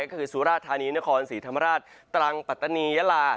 ก็คือสุราชธานีเนคฮสีธรรมาราชตรังปัฏนีญลา